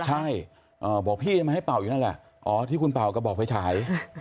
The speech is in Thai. ใช่บอกพี่จะมาให้เป่าอยู่นั่นแหละอ๋อที่คุณเป่ากระบอกไฟฉาย